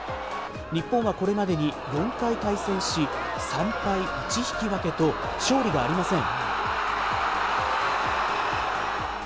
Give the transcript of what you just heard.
日本はこれまでに４回対戦し、３敗１引き分けと、勝利がありません。